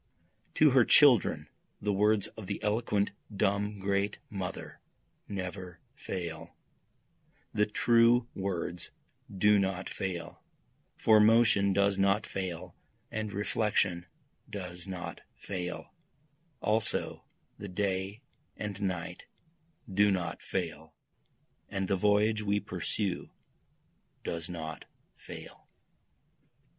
To her children the words of the eloquent dumb great mother never fail, The true words do not fail, for motion does not fail and reflection does not fall, Also the day and night do not fall, and the voyage we pursue does not fall.